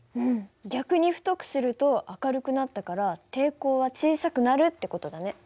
逆に太くすると明るくなったから抵抗は小さくなるって事だね。